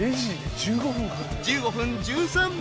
［１５分１３秒。